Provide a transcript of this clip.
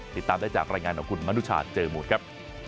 ติดตามได้จากรายงานของคุณมนุชาเจอมูลครับ